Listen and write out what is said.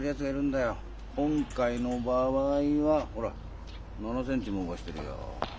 今回の場合はほら７センチも動かしてるよ。